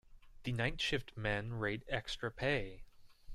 The night shift men rate extra pay.